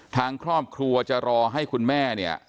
ทางครอบครัวจะรอให้คุณแม่เนี่ย